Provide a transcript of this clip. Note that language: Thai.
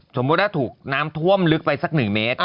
สมมุติถูกน้ำท่วมลึกไปสักหนึ่งเมตร